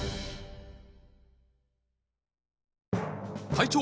隊長！